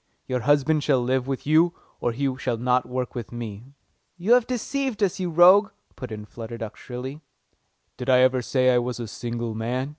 Your husband shall live with you, or he shall not work with me." "You have deceived us, you rogue!" put in Flutter Duck shrilly. "Did I ever say I was a single man?"